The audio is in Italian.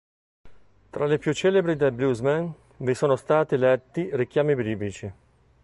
Tra le più celebri del bluesman, vi sono stati letti richiami biblici.